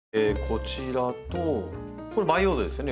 こちらとこれ「培養土」ですよね。